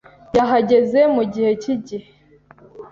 yahageze mugihe cyigihe.